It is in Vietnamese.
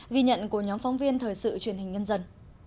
ghi nhận của nhóm phóng viên thời sự truyền hình nhân dân